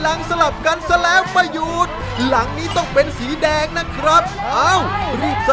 เร็วเร็วเร็วเร็วเร็วเร็วเร็วเร็วเร็วเร็วเร็วเร็วเร็ว